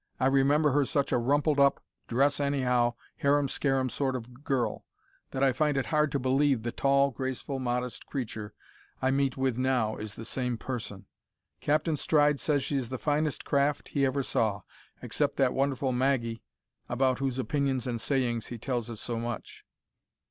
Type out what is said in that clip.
I remember her such a rumpled up, dress anyhow, harum scarum sort of a girl, that I find it hard to believe the tall, graceful, modest creature I meet with now is the same person! Captain Stride says she is the finest craft he ever saw, except that wonderful `Maggie,' about whose opinions and sayings he tells us so much.